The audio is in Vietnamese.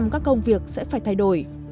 tám mươi năm các công việc sẽ phải thay đổi